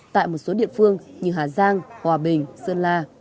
tại một số địa phương như hà giang hòa bình sơn la